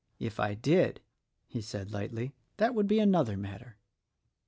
If I did," he said lightly, "that would be another matter."